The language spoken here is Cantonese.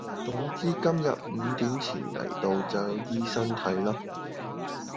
總之今日五點前嚟到就有醫生睇啦